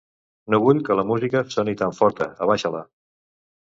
No vull que la música soni tan forta, abaixa-la.